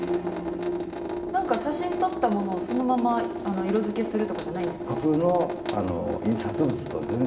何か写真撮ったものをそのまま色づけするとかじゃないんですか。